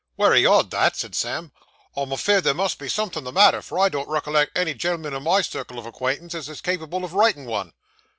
'Wery odd that,' said Sam; 'I'm afeerd there must be somethin' the matter, for I don't recollect any gen'l'm'n in my circle of acquaintance as is capable o' writin' one.